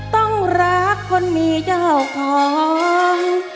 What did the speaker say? ต้องรักคนมีเจ้าของ